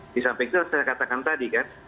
di samping itu saya katakan tadi kan